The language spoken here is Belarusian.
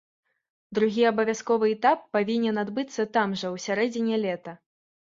Другі абавязковы этап павінен адбыцца там жа ў сярэдзіне лета.